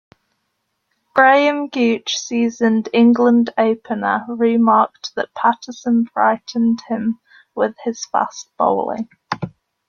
Graham Gooch, seasoned England opener, remarked that Patterson frightened him with his fast bowling.